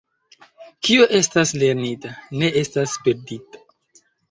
Kio estas lernita, ne estas perdita.